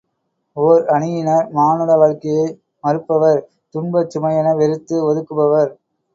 ஓர் அணியினர் மானுட வாழ்க்கையை மறுப்பவர் துன்பச் சுமையென வெறுத்து ஒதுக்குபவர்.